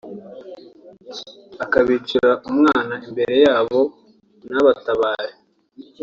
akabicira umwana imbere yabo ntibatabare